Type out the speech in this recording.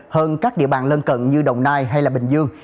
hơn các địa bàn lân cận như đồng nai hay bình dương